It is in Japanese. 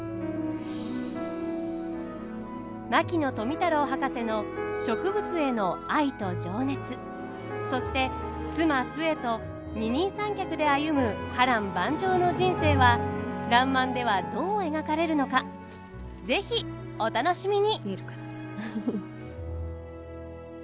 牧野富太郎博士の植物への愛と情熱そして妻壽衛と二人三脚で歩む波乱万丈の人生は「らんまん」ではどう描かれるのか是非お楽しみに。